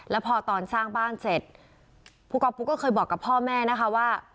แล้วพอตอนสร้างบ้านเสร็จผู้ก๊อปปุ๊กก็เคยบอกกับพ่อแม่นะคะว่า